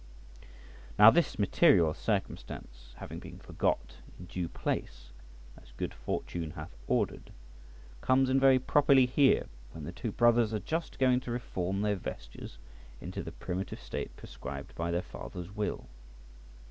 Now this material circumstance having been forgot in due place, as good fortune hath ordered, comes in very properly here, when the two brothers are just going to reform their vestures into the primitive state prescribed by their father's will.